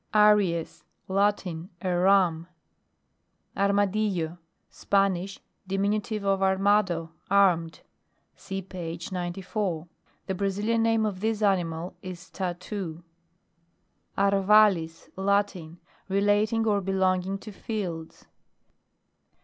ARIES. Latin. A Ram. ARMADILLO. Spanish, diminutive of armado, armed. (See page 94.) The Brazilian name of this animal is Tatou. ARVALIS. Latin. Relating or be* longing to fields.